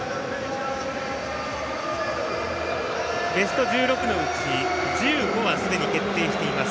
ベスト１６のうち１５はすでに決定しています。